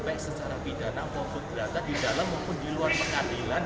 baik secara pidana maupun berata di dalam maupun di luar pengadilan